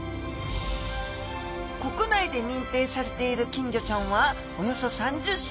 国内で認定されている金魚ちゃんはおよそ３０種。